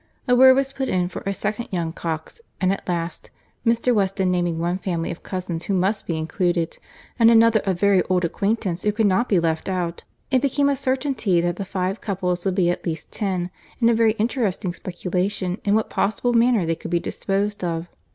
A word was put in for a second young Cox; and at last, Mr. Weston naming one family of cousins who must be included, and another of very old acquaintance who could not be left out, it became a certainty that the five couple would be at least ten, and a very interesting speculation in what possible manner they could be disposed of.